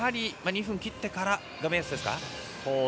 ２分切ってからが目安ですか？